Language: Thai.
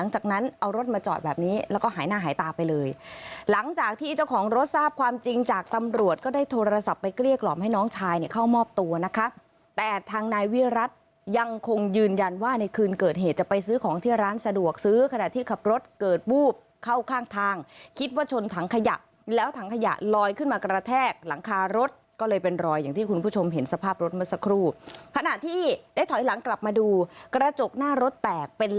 จากนั้นเอารถมาจอดแบบนี้แล้วก็หายหน้าหายตาไปเลยหลังจากที่เจ้าของรถทราบความจริงจากตำรวจก็ได้โทรศัพท์ไปเกลี้ยกหล่อมให้น้องชายเข้ามอบตัวนะคะแต่ทางนายวิรัติยังคงยืนยันว่าในคืนเกิดเหตุจะไปซื้อของที่ร้านสะดวกซื้อขณะที่ขับรถเกิดบูบเข้าข้างทางคิดว่าชนถังขยะแล้วถังขยะลอยขึ้นมา